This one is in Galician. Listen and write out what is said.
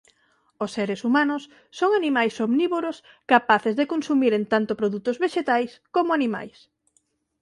Os seres humanos son animais omnívoros capaces de consumiren tanto produtos vexetais como animais.